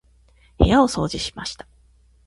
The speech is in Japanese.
部屋を掃除しました。